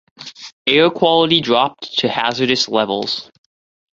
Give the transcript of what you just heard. Air quality dropped to hazardous levels.